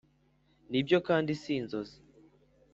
Nibyo kandi si inzozi